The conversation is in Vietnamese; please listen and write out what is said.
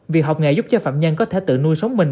việc học nghề giúp cho phạm nhân có thể tự nuôi sống mình